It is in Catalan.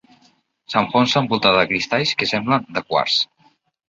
S'enfonsa envoltada de cristalls que semblen de quars.